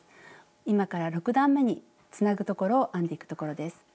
今から６段めにつなぐところを編んでいくところです。